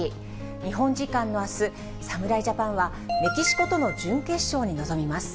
日本時間のあす、侍ジャパンは、メキシコとの準決勝に臨みます。